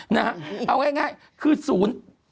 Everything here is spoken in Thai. นะเอาง่ายคือสูญ